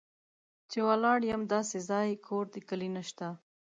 چې ولاړ یم داسې ځای، کور د کلي نه شته